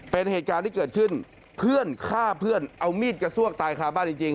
เป็นเหตุการณ์ที่เกิดขึ้นเพื่อนฆ่าเพื่อนเอามีดกระซวกตายคาบ้านจริง